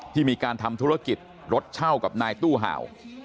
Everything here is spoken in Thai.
ที่มีการทำธุรกิจรถเช่ากับนายตู้เห่า